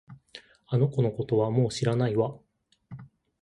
あの子のことはもう知らないわ